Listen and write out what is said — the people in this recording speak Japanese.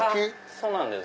そうなんです。